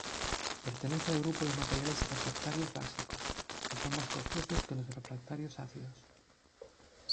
Pertenece al grupo de materiales refractarios básicos, son más costosos que los refractarios ácidos.